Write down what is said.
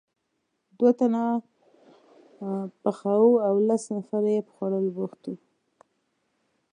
دوه تنه پخاوه او لس نفره یې په خوړلو بوخت وو.